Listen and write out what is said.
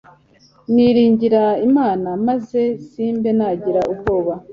niringira imana, maze simbe nagira ubwoba